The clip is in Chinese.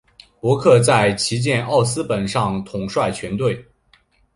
伯克在旗舰奥斯本上统帅全队。